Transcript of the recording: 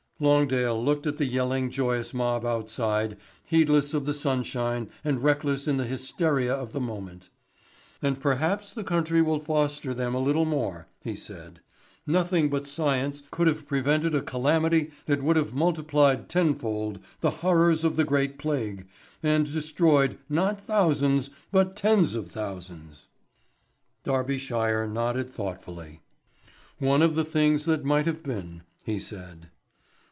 Longdale looked at the yelling joyous mob outside heedless of the sunshine and reckless in the hysteria of the moment. "And perhaps the country will foster them a little more," he said. "Nothing but science could have prevented a calamity that would have multiplied ten fold the horrors of the Great Plague, and destroyed, not thousands, but tens of thousands." Darbyshire nodded thoughtfully. "One of the things that might have been," he said.